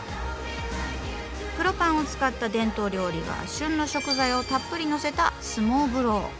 黒パンを使った伝統料理が旬の食材をたっぷりのせたスモーブロー。